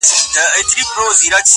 زما له غېږي زما له څنګه پاڅېدلای-